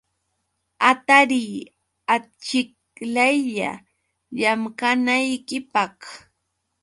Hatariy achiklaylla llamkanaykipaq.